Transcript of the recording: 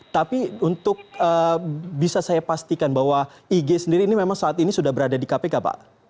tapi untuk bisa saya pastikan bahwa ig sendiri ini memang saat ini sudah berada di kpk pak